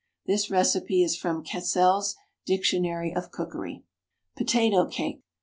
This recipe is from "Cassell's Dictionary of Cookery." POTATO CAKE.